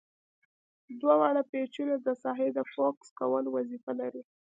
دوه واړه پیچونه د ساحې د فوکس کولو وظیفه لري.